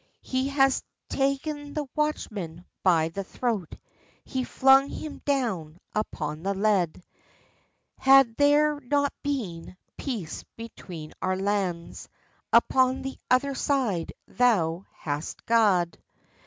He has taen the watchman by the throat, He flung him down upon the lead: "Had there not been peace between our lands, Upon the other side thou hadst gaed.